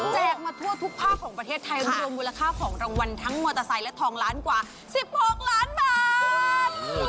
มาทั่วทุกภาคของประเทศไทยรวมมูลค่าของรางวัลทั้งมอเตอร์ไซค์และทองล้านกว่า๑๖ล้านบาท